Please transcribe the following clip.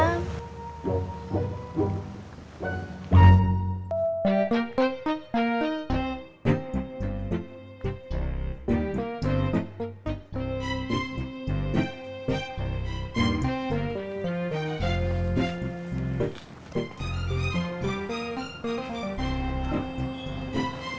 terima kasih pak rw